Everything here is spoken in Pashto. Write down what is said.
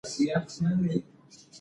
عبارت له نحو سره تړاو لري.